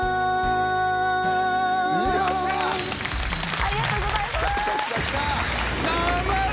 ありがとうございます！